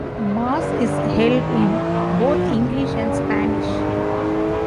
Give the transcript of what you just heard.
Mass is held in both English and Spanish.